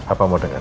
apa mau denger